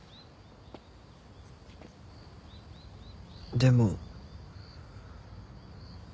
でも。